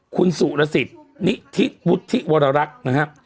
คุณสุรสิทธิ์นิธิวุฒิวรรรคนะฮะ